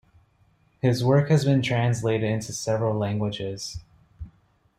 His work has been translated into several languages.